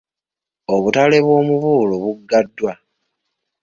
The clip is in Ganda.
Obutale bw’omubuulo buggaddwa.